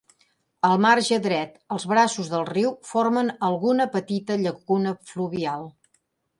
Al marge dret, els braços del riu formen alguna petita llacuna fluvial.